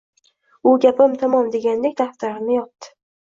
U, gapim tamom, degandek daftarini yopdi